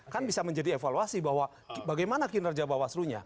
kan bisa menjadi evaluasi bahwa bagaimana kinerja bawaslu nya